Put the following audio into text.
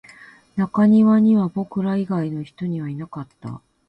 中庭には僕ら以外の人はいなかった